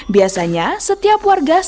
biasanya setiap warga yang berbuka tiba